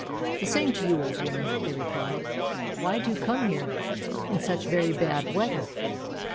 'The same to you, Old Woman," they replied. 'But why do you come here in such very bad weather?